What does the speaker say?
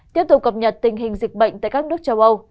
tiếp tục cập nhật tình hình dịch bệnh tại các nước châu âu